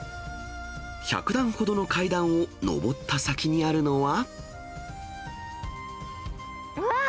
１００段ほどの階段を上った先にあるのは。